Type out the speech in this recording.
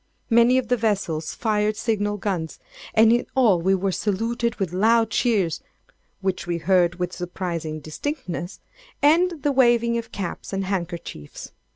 Many of the vessels fired signal guns; and in all we were saluted with loud cheers (which we heard with surprising distinctness) and the waving of caps and handkerchiefs.